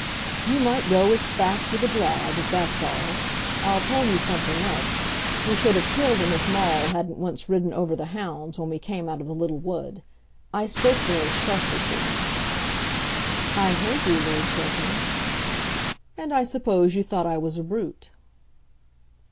"You might go as fast with a drag, if that's all. I'll tell you something else. We should have killed him if Maule hadn't once ridden over the hounds when we came out of the little wood. I spoke very sharply to him." "I heard you, Lord Chiltern." "And I suppose you thought I was a brute."